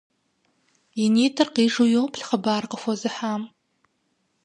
И нитӏыр къижу йоплъ хъыбар къыхуэзыхьам.